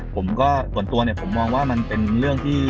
ผมก็ส่วนตัวเนี่ยผมมองว่ามันเป็นเรื่องที่